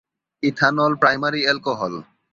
Ethanol primary alcohol.